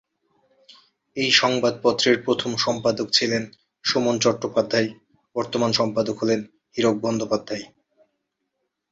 এই সংবাদপত্রের প্রথম সম্পাদক ছিলেন সুমন চট্টোপাধ্যায়, বর্তমান সম্পাদক হলেন হীরক বন্দ্যোপাধ্যায়।